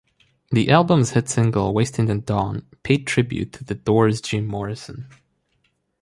The album's hit single, "Wasting the Dawn", paid tribute to The Doors' Jim Morrison.